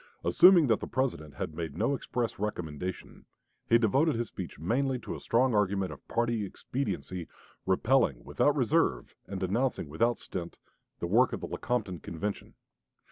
Assuming that the President had made no express recommendation, he devoted his speech mainly to a strong argument of party expediency, repelling without reserve and denouncing without stint the work of the Lecompton Convention.